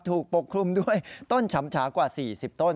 ปกคลุมด้วยต้นฉำชากว่า๔๐ต้น